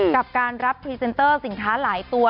กับการรับพรีเซนเตอร์สินค้าหลายตัว